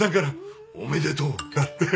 「おめでとう」だって。